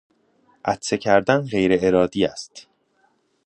عطسه کردن غیر ارادی است.